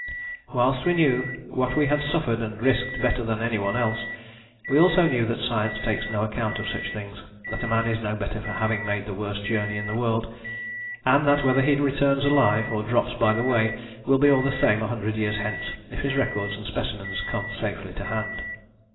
Whilst we knew what we had suffered and risked better than any one else, we also knew that science takes no account of such things; that a man is no better for having made the worst journey in the world; and that whether he returns alive or drops by the way will be all the same a hundred years hence if his records and specimens come safely to hand.